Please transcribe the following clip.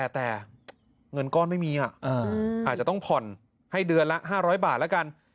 แต่เงินก้อนไม่มีอาจจะต้องผ่อนให้เดือนละ๕๐๐บาทแล้วกัน